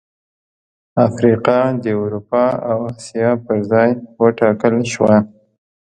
افریقا د اروپا او اسیا پر ځای وټاکل شوه.